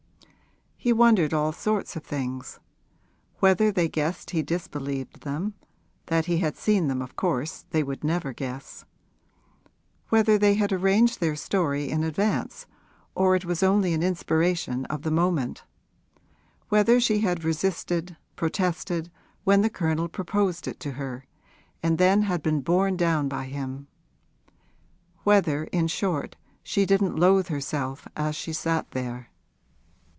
He wondered all sorts of things: whether they guessed he disbelieved them (that he had seen them of course they would never guess); whether they had arranged their story in advance or it was only an inspiration of the moment; whether she had resisted, protested, when the Colonel proposed it to her, and then had been borne down by him; whether in short she didn't loathe herself as she sat there.